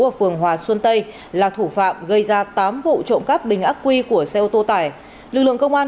ở phường hòa xuân tây là thủ phạm gây ra tám vụ trộm cắp bình ác quy của xe ô tô tải lực lượng công an